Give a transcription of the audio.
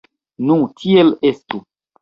Nu, tiel estu.